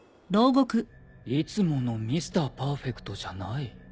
いつものミスター・パーフェクトじゃない。